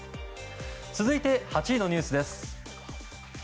続いて８位のニュースです。